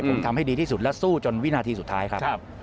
ผมทำให้ดีที่สุดและสู้จนวินาทีสุดท้ายครับ